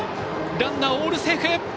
ランナー、オールセーフ！